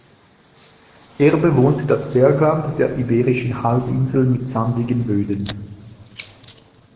Er bewohnt das Bergland der Iberischen Halbinsel mit sandigen Böden.